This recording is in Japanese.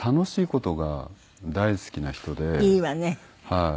はい。